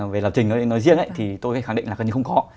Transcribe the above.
về lập trình nói riêng ấy thì tôi khẳng định là gần như không có